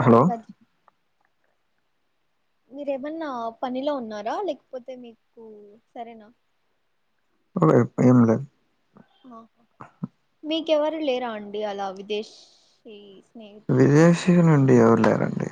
Hello [inaudible] మీరేమన్నా పనిలో ఉన్నారా లేకపోతే మీకు సరేనా ఇప్పుడేం లే హా మీకెవరు లేరా అండి అలా విదేశ ఈ స్నేహితులు విదేశీ నుండి ఎవరు లేరండి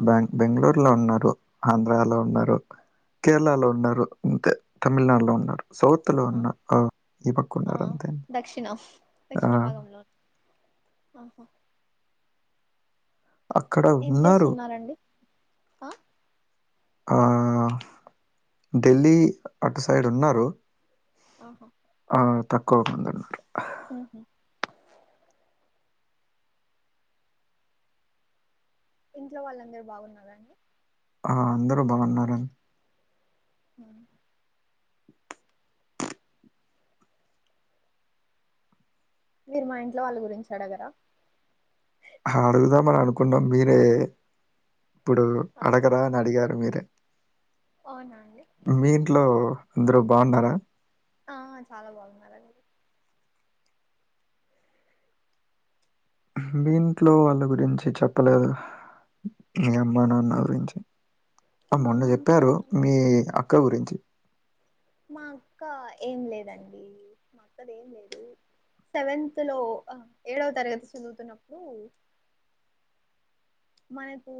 ఆహా బ్యాంగ్ బెంగళూరు లో ఉన్నారు ఆంధ్రాలో ఉన్నారు కేరళలో ఉన్నారు అంతే తమిళనాడులో ఉన్నారు సౌత్ లో ఉన్న ఆ ఈ పక్క ఆ ఉన్నారంతే దక్షిణ ఆ ఆ అక్కడ ఏం ఉన్నారు చేస్తున్నారండి ఆ ఆ ఢిల్లీ అటు సైడ్ ఉన్నారు ఆహ ఆ తక్కువ ఉందన్నమాట ఆహ ఇంట్లో వాళ్ళందరూ బాగున్నారా అండి ఆ అందరూ బాగున్నారండి అ మీరు మా ఇంట్లో వాళ్ళ గురించి అడగరా అడుగుదామని అనుకున్న మీరే ఇప్పుడు ఆహా అడగరా అని అడిగారు మీరే అవునాండి మీ ఇంట్లో అందరు బాగున్నారా ఆ చాలా బాగున్నారండి మీ ఇంటో వాళ్ళ గురించి చెప్పలేదు మీ అమ్మ నాన్న గురించి ఆ మా మొన్న అమ్మ చెప్పారు నాన్న మీ అక్క గురించి మా అక్క ఏం లేదండి మా అక్కది ఏం లేదు సెవెన్త్ లో ఏడవ తరగతి చదువుతున్నప్పుడు మనకు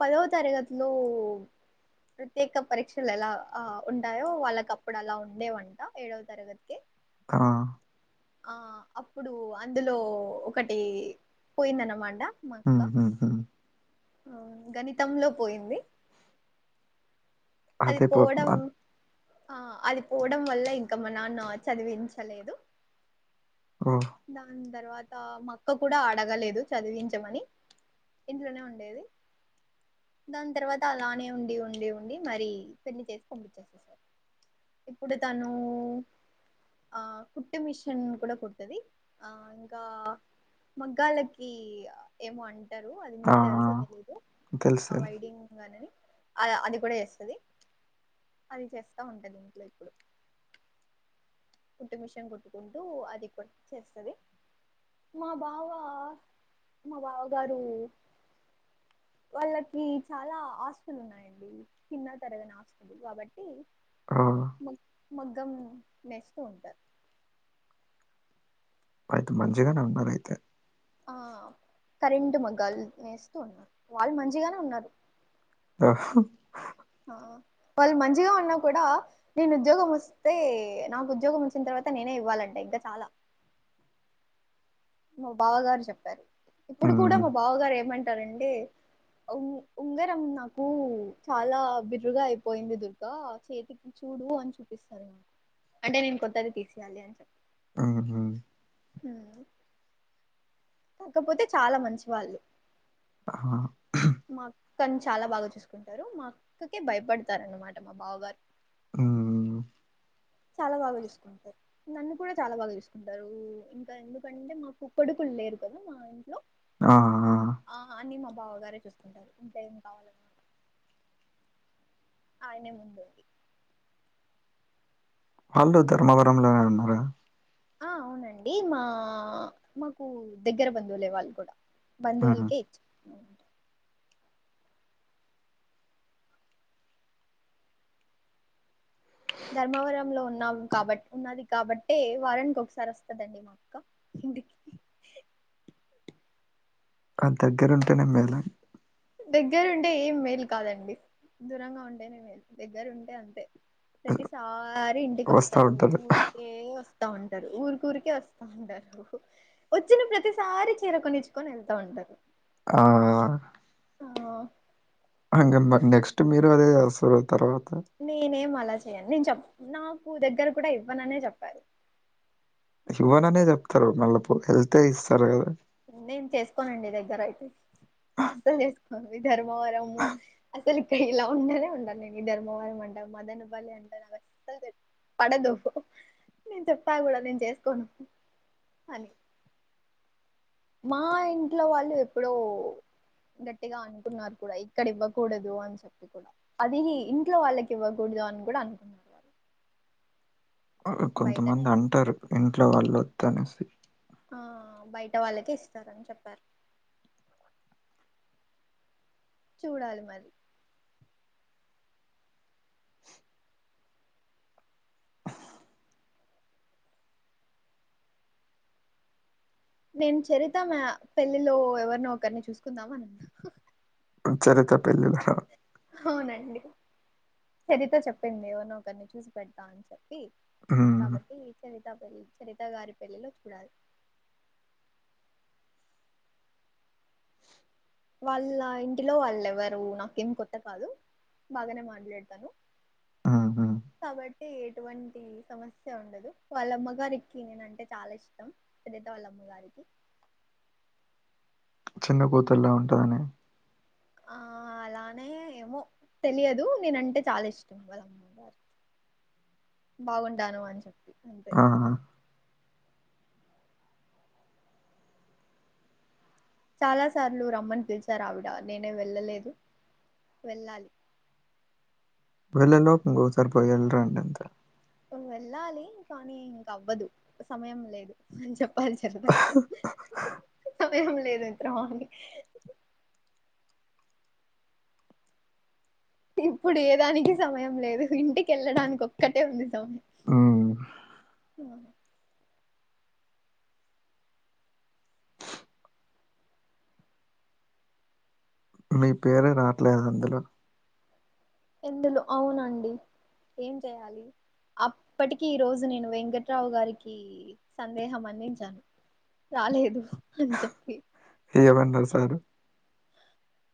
పదవ తరగతిలో ప్రత్యేక పరీక్షలు ఎలా ఉంటాయో వాళ్ళకి అప్పుడు అలా ఉండేవంట ఏడవ తరగతికే ఆ ఆ అప్పుడు అందులో ఒకటి పోయిందన్నమాట మా అక్క హ్మ్. హ్మ్. హ్మ్. ఆ గణితంలో పోయింది అది అదే పాపం పోవడం అద్ ఆ అది పోవడం వల్ల ఇంకా మా నాన్న చదివించలేదు ఓ దాని తర్వాత మా అక్క కూడా అడగలేదు చదివించమని ఇంట్లోనే ఉండేది దాని తర్వాత అలానే ఉండి ఉండి ఉండి మరి పెళ్లి చేసి పంపించేసేసారు ఇప్పుడు తను ఆ కుట్టు మిషన్ కూడా కుడుతది ఆ ఇంకా మగ్గాలకి ఏమో అంట టరు అది ఆ! ఓ, ఆ! మీకు తెలుసో తెలీదో తెలుసు ఆ తెలుసు. వైడింగనేది అది కూడా చేస్త టది అది చేస్తా ఉంటది ఇంట్లో ఇప్పుడు కుట్టు మిషన్ కుట్టుకుంటూ అది కూడా చేస్తది మా బావ మా బావగారు వాళ్ళకి చాలా ఆస్తులు ఉన్నాయండి తిన్నా తరగని ఆస్తు దు కాబట్టి ఆ మ మగ్గం నేస్తూ ఉంటారు అయితే మంచిగానే ఉన్నారు అయితే ఆ కరెంట్ మగ్గాలు వేస్తూ ఉన్నారు వాళ్ళు మంచిగానే ఉన్నారు ఆహ ఆ వాళ్ళు మంచిగా ఉన్నా కూడా నేను ఉద్యోగం వస్తే నాకు ఉద్యోగం వచ్చిన తర్వాత నేనే ఇవ్వాలంటే ఇంకా చాలా మా బావగారు చెప్పారు ఇప్పుడు కూడా హ్మ్. మా బావగారు ఏమంటారండి ఉ ఉంగరం నాకు చాలా బిరుగా అయిపోయింది దుర్గా చేతికి చూడు అని చూపిస్తారు అంటే నేను కొత్తది తీసేయాలి అని చెప్ప ఆహ ఆ కాకపోతే చాలా మంచి వాళ్ళు ఆ మా అక్కని చాలా బాగా చూసుకుంటారు మా అక్కకే భయపడతారన్నమాట మా బావగారు ఆ చాలా బాగా చూసుకుంటారు నన్ను కూడా చాలా బాగా చూసుకుంటారు ఇంకా ఎందుకంటే మాకు కొడుకులు లేరు కదా మా ఇంట్లో ఆ ఆ అన్ని మా బావగారే చూస్తుంటారు ఇంకా ఏం కావాల ఆయనే ముందుండి వాళ్ళు ధర్మవరంలోనే ఉన్నార ఆ అవునండి మా మాకు దగ్గర బంధువులే వాళ్ళు కూడా హ్మ్. బందోల్కే ఇచ్ ధర్మవరం లో ఉన్నావు కాబట్ ఉన్నది కాబటె వారనికి ఒకసారి వస్తదండి మా మా అక్క ఇంటికి కాన్ దగ్గర ఉంటే నె మెదలాలీ దగ్గర ఉంటే ఏం మేలు కాదండి దూరంగా ఉంటేనే మేలు దగ్గరు ఉంటే అంతే ప్రతిసారి ఇంటికి వస్తా వస్తారు ఉంటారు. ఊరు ఏ వస్తా ఉంటారు ఊరి ఊరికే వస్తా ఉంటారు వచ్చిన ప్రతిసారి చీర కొనిచ్చుకొని వెళ్తా ఉంటారు ఆ ఆ అంకా మరి నెక్స్ట్ మీరు అదే చేస్తరు తర్వాత నేనేం అలా చెయను నేను చెప్ప నాకు దగ్గర కూడా ఇవ్వననే చెప్పారు శివనన్నయది ఒక్కరూ నలుపు హెల్తే ఇస్తారు కదా నేను చేసుకోనండి దగ్గర అయితే అస్సలు చేసుకోను ఈ ధర్మవరము అట్ అసలు ఇక్కడ ఇలా ఉండనే ఉండాలి నే ఈ ధర్మవరం అంట మదనపల్లి అని పడదు నేను చెప్పా కూడా నేను చేసుకోను అని మా ఇంట్లో వాళ్ళు ఎప్పుడో గట్టిగా అనుకున్నారు కూడా ఇక్కడ ఇవ్వకూడదు అని చెప్పి అది ఇంట్లో వాళ్ళకి ఇవ్వకూడదు అని కూడా అనుకున్నా ఆ బయటనే కొంతమంది ఇస్తారు అంటారు ఇంట్లో వాళ్ళు వద్ద అనేసి ఆ బయట వాళ్ళకే ఇస్తారని చెప్పారు చూడాలి మరి నేను చరిత మ్యా పెళ్ళిలో ఎవరినో ఒకరిని చూసుకుందాం అనకున్న చరిత్ర పెల్లిలా అవునండి చరిత చెప్పింది ఏవర్నో ఒకర్ని చూసి పెడతా అని చెప్పి హ్మ్. కాబట్టి చరిత పెళ్లి చరితా గారి పెళ్లిలో చూడాలి వాళ్ళ ఇంటిలో వాల్లెవరు నాకేం కొత్త కాదు బాగానే మాట్లాడతాను హ్మ్. హ్మ్. కాబట్ టి ఎటువంటి సమస్య ఉండదు వాళ్ళమ్మ గారికి నేనంటే చాలా ఇష్టం చారితా వాల్ళమ్మ గారికి చిన్న కూతుర్లా ఉంటదని ఆ అలానే ఏమో తెలియదు నేనంటే చాలా ఇష్టం వాళ్ళమ్మ గారికి బాగుంటాను అని చెప్పి అది ఆహా చాలా సార్లు రమ్మని పిలిచారావిడ నేనే వెళ్ళలేదు వెళ్ళాలి ప్పుడెళ్ళే లోపు ఇంగోసారి సర్ పోయి ఎల్ రండంతే ఉ వెళ్ళాలి కానీ ఇంక అవ్వదు సమయం లేదు కొంచెం పరి జర్ నాక్కుడా సమయం లేదేంద్రా ఇప్పుడు ఏ దానికి సమయం లేదు ఇంటికెళ్ళడానికొక్ క్కటే ఉంది సౌన్ హ్మ్. ఆహ మీ పేరే రాట్లే దందులో ఎందులో అవునండి ఏం చేయాలి అప్పటికి ఈ రోజు నేను వెంకట్రావు గారికి సందేహం అందించాను రాలేదు అని చెప్పి ఏమన్నరు సారు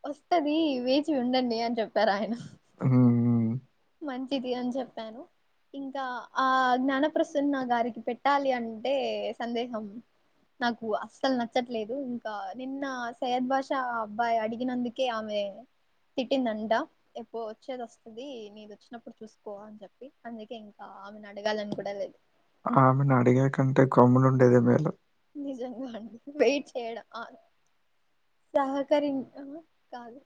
వస్తది వేచి ఉండండి అని చెప్పారాయన హ్మ్ హ్మ్. మంచిది అని చెప్పాను ఇంకా ఆ జ్ఞానప్రసన్న గారికి పెట్టాలి అంటే సందేహం నాకు అస్సలు నచ్చట్లేదు ఇంకా నిన్న సయద్ బాషా అబ్బాయి అడిగినందుక్ కే ఆమె తిట్టిందంట ఎప్పో వచ్చేది వస్తది నీదొచ్చినప్పుడు చూసుకో అని చెప్పి అందుకే ఇంకా ఆమెను అడగాలని కూడా లేదు ఆమెనడిగే కంటే గమ్మునుండేది మేలు నిజంగా అండి వెయిట్ చేయడం ఆ సహకరిం ఆ కాదు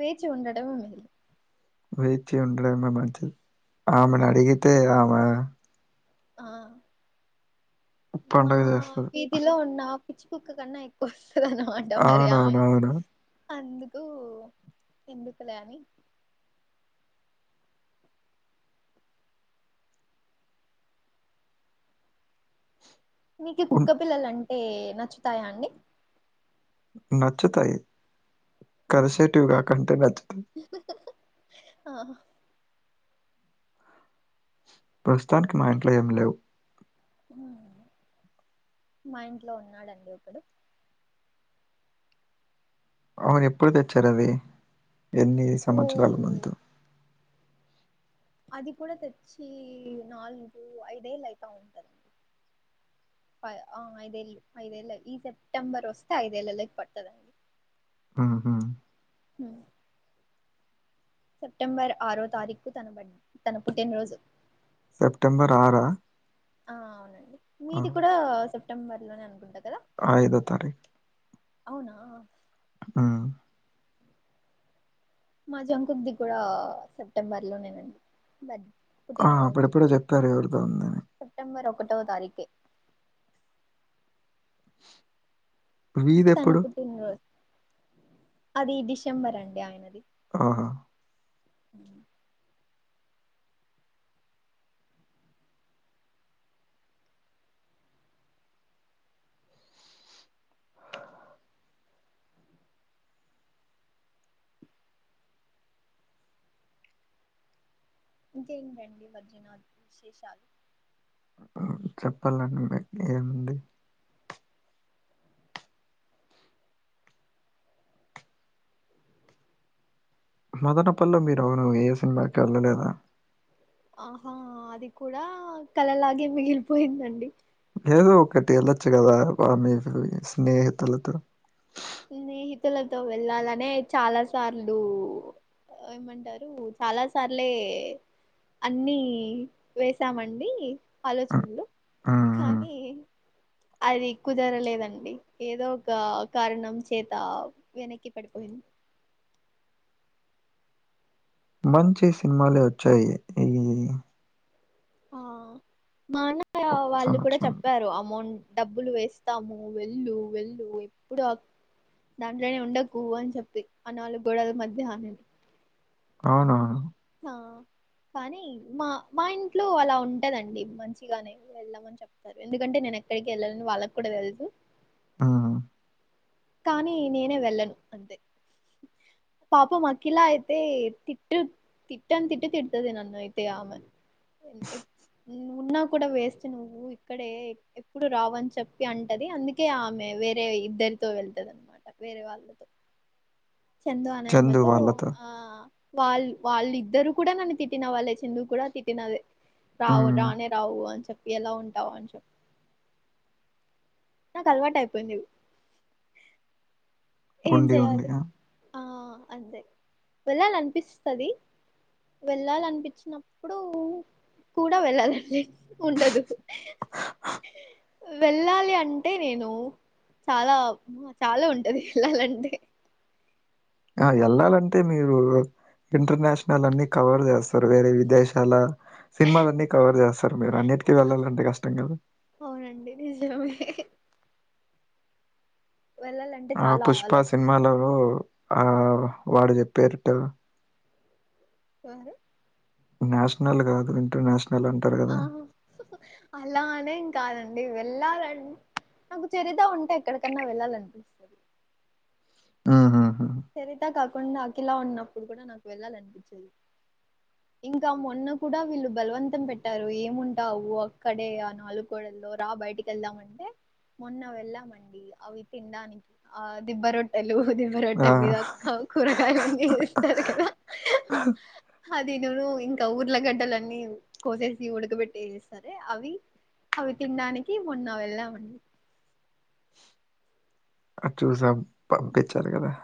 వేచి ఉండటము మేలు వేచి ఉండడమే మంచిది ఆ ఆమెనడిగితే ఆమె ఆ మా పండగ చేస్తది. వీధిలో ఉన్న పిచ్చి కుక్క కన్నా ఎక్కువ వస్తదన్నమాట మరి ఆ అవునవునవును. అందుకు ఎందుకులే అని మీకి ఉన్ కుక్క పిల్లలంటే నచ్చుతాయా అండి నచ్చుతాయి కరిసేటివి గాకంటే నచ్చుతాయి ఆహ్ ప్రస్తుతానికి మా ఇంట్లో ఏమి లేవు మా ఇంట్లో ఉన్నాడండి ఒకడు అవును ఎప్పుడు తెచ్చారవి ఎన్ని ఓ సంవత్సరాల ముందు అది కూడా తెచ్చి నాలుగు ఐదేళ్ళయితా ఉంటది ఫై ఆ ఐదేళ్లు ఐదేళ్ల ఈ సెప్టెంబర్ వస్తే ఐదేళ్లలకి పడుతది ఆహా ఉ సెప్టెంబర్ ఆరో తారీఖ్కు తన బ తన పుట్టినరోజు సెప్టెంబర్ ఆర ఆ ఆ అవునండి మీది కూడా సెప్టెంబర్ లోనే అనుకుంటా కదా ఐదో తారీకు అవునా ఉ మా జంకుర్ది కూడా సెప్టెంబర్లోనేనండి బర్ ఆ అప్పుడప్పుడే చెప్పారు ఎవరిదో సెప్టెంబర్ ఒకటవ తారీఖే తన మీదెప్పుడు పుట్టినరోజు అది డిసెంబర్ అండి ఆయనది ఆహా అ ఇంకేటండి వజనలు విశేషాలు చెప్పాలనండి ఏముంది మొదట పల్ల మీరు ఏసన్ దాక వెళ్ళలేదా ఆహా అది కూడా కలలాగే మిగిలిపోయిందండి ఏదో ఒకటి వెళ్ళొచ్చు కదా ఆ మీ స్నేహితులతో స్నేహితులతో వెళ్లాలనే చాలా సార్లు ఏమంటారు చాలా సార్లే అన్ని వెసామండి ఆలోచనలు ఆ కానీ అది కుదరలేదండి ఏదో ఒక కారణం చేత వెనక్కి పడిపోయింది మంచి సినిమాలే వచ్చాయి ఈ ఉం ఆ మాన్నా వాళ్ళు కూడా సంవత్సరంలో చెప్పారు అమౌంట్ డబ్బులు వేస్తాము వెళ్ళు వెళ్ళు ఎప్పుడు దాంట్లోనే ఉండకు అని చెప్పి అ నాల్గు గోడల మధ్య అవునా అ కానీ మా మా ఇంట్లో అలా ఉంటుందండి మంచిగానే వెళ్ళామని చెప్ప ఎందుకంటే నేను ఎక్కడికి వెళ్ళాలని వాళ్ళకి కూడా తెల్సు ఆ కానీ నేనే వెళ్ళను అంతే పాపం అఖిల అయితే తిట్ తిట్టన్ తిట్ తిడ్తాది అన్నయితే ఆమె ఉన్నా కూడా వేస్ట్ నువ్వు ఇక్కడే ఎప్పుడు రావుని చెప్పి అంటది అందుకే ఆమె వేరే ఇద్దరు తో వెళ్తదనమాట వేరే వాళ్ళతో చందు అనె అమె చందు తో వాళ్ళతో ఆ వాళ్ళు వాళ్ళిద్దరు కూడా నన్ను తిట్టిన వాళ్ళు చందుకూడా తిట్టినదే రావు ఉమ్ రానే రావు అని చెప్పి ఎలా ఉంటావు అని చెప్పి నాకు అలవాటు అయిపోయింది ఏం ఉండి చేయాలి ఉండిగా ఆ అంతే వెళ్ళాల అనిపిస్తది వెళ్ళాలనిపించినప్పుడు కూడా వెళ్ళాలండి ఉండదు వెళ్ళాలి అన్ అంటే నేను చాలా చాలా ఉంటది వెళ్లాలంటే ఆ యేళ్లాలంటే మీరు ఇంటర్నేషనల్ అన్ని కవర్ చేస్తారు వేరే విదేశాల సినిమాలన్నీ కవర్ చేస్తారు మీరు అన్నిటికీ వెళ్ళాలంటే కష్టం కదా అవునండి నిజమే వెళ్ళాలంటే ఆ చాలా పుష్ప ఆలోచిస్తారు సినిమాలలో ఆ వాడు చెప్పారుట సారి నేషనల్ కాదు ఇంటర్నేషనల్ అంటే ఆ అలానేం కాదండి వెళ్ళాలం నాకు చరిగా ఉంటే ఎక్కడికన్నా వెళ్ళాలినిపి ఆహాహా చరిత కాకుండా అఖిలా ఉన్నప్పుడు కూడా నాకు వెళ్ళాలనిపిచదు ఇంకా మొన్న కూడా వీళ్ళు బలవంతం పెట్టారు ఏముంటావు అక్కడే ఆ నాలుగు గోడల్లో రా బయటికి వెళ్దామంటే మొన్న వెళ్ళామండి అవి తినడానికి ఆ దిబ్బ రొట్టెలు దిబ్బ ఆ! రొట్టెల మీద కౌ కూరగాయలన్నీ ఇస్తారు కదా అది నను ఇంకా ఊర్ల గడ్డలన్నీ కోసేసి ఉడకబెట్టటిస్తారు అదే అవి అవి తినడానికి మొన్న వెళ్ళామండి అది చూసాం పంపిచ్చారు కదా